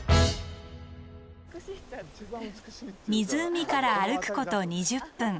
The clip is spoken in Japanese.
湖から歩くこと２０分。